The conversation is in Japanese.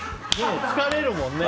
疲れるもんね。